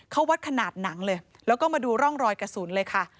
เขาวัดขนาดหนังเลยแล้วก็มาดูร่องรอยกระสุนเลยค่ะ